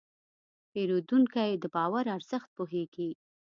پیرودونکی د باور ارزښت پوهېږي.